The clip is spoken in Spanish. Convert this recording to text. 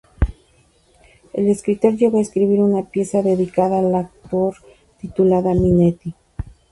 El escritor llegó a escribir una pieza dedicada al actor, titulada "Minetti".